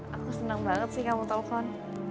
aku senang banget sih kamu telpon